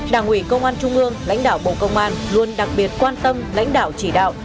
đảng ủy công an trung ương lãnh đạo bộ công an luôn đặc biệt quan tâm lãnh đạo chỉ đạo